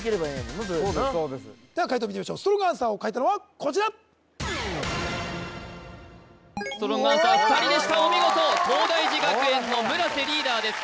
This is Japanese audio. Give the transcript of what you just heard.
は解答見てみましょうストロングアンサーを書いたのはこちらストロングアンサー２人でしたお見事東大寺学園の村瀬リーダーです